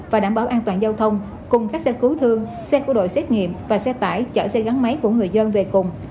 và đảm bảo an toàn giao thông cùng các xe cứu thương xe của đội xét nghiệm và xe tải chở xe gắn máy của người dân về cùng